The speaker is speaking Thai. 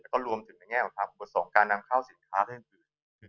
และก็รวมถึงในแง่ของ๓บัตร๒การนำเข้าสินค้าเพิ่มพื้น